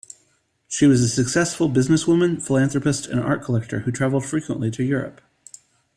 She was a successful businesswoman, philanthropist and art collector who traveled frequently to Europe.